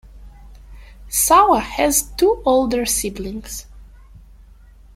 Sawa has two older siblings.